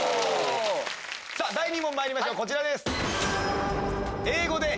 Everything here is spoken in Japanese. さぁ第２問まいりましょうこちらです。